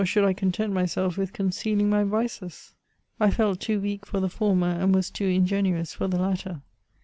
1 43 virtues, or ahould I content m jself with concealing my vices ? I felt too weak for the former, and was too ingenuous for the latter.